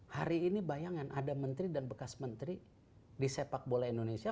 hari ini bayangan ada menteri dan bekas menteri di sepak bola indonesia